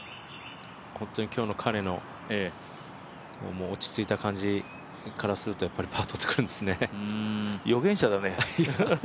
本当に今日の彼の落ち着いた感じからするとやっぱりパー取ってくるんですね。